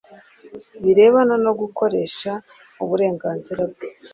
birebana no gukoresha uburenganzira bwe